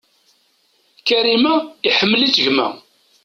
Karima iḥemmel-itt gma.